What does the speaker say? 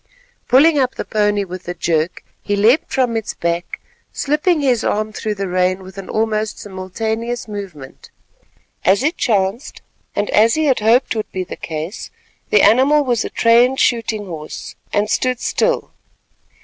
Pulling up the pony with a jerk, he leapt from its back, slipping his arm through the rein with an almost simultaneous movement. As it chanced, and as he had hoped would be the case, the animal was a trained shooting horse, and stood still.